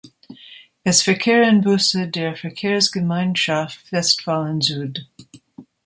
Es verkehren Busse der Verkehrsgemeinschaft Westfalen-Süd.